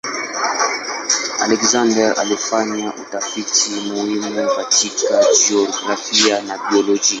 Alexander alifanya utafiti muhimu katika jiografia na biolojia.